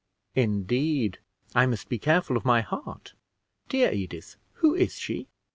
"Indeed! I must be careful of my heart. Dear Edith, who is she?"